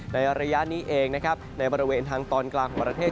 ระยะนี้เองนะครับในบริเวณทางตอนกลางของประเทศ